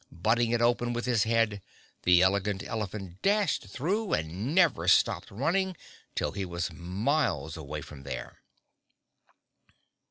Butting it open with his head, the Elegant Elephant dashed through and never stopped running till he was miles away from there.